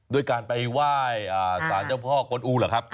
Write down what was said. ด้วยการไปไหว้สารเจ้าพ่อกวนอูเหรอครับ